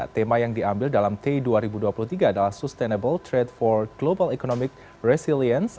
tema yang diambil dalam tay dua ribu dua puluh tiga adalah sustainable trade for global economic resilience